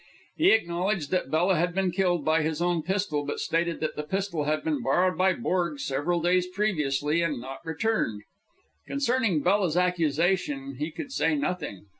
He acknowledged that Bella had been killed by his own pistol, but stated that the pistol had been borrowed by Borg several days previously and not returned. Concerning Bella's accusation he could say nothing.